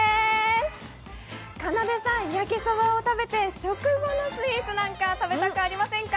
かなでさん、焼きそばを食べて、食後のスイーツなんか食べたくありませんか？